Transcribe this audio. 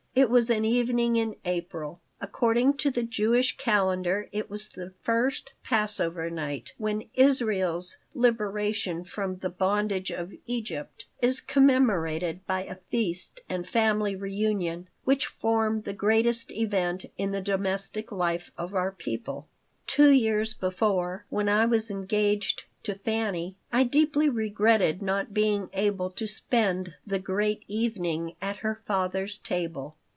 It was an evening in April. According to the Jewish calendar it was the first Passover night, when Israel's liberation from the bondage of Egypt is commemorated by a feast and family reunion which form the greatest event in the domestic life of our people Two years before, when I was engaged to Fanny, I deeply regretted not being able to spend the great evening at her father's table.